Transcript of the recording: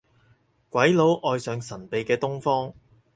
鬼佬愛上神秘嘅東方